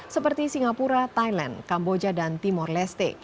seperti singapura thailand kamboja dan timor leste